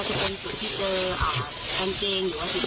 ฝั่งผ่านตรง